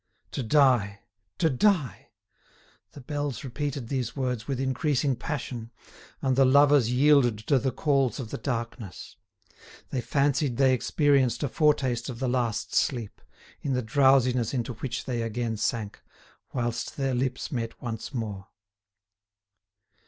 To die! To die! The bells repeated these words with increasing passion, and the lovers yielded to the calls of the darkness; they fancied they experienced a foretaste of the last sleep, in the drowsiness into which they again sank, whilst their lips met once more.